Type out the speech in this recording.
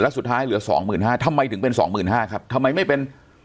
สุดท้ายเหลือสองหมื่นห้าทำไมถึงเป็นสองหมื่นห้าครับทำไมไม่เป็น